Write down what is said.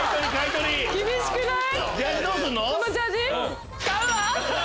⁉厳しくない？